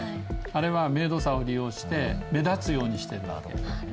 あれは明度差を利用して目立つようにしてるんだと思います。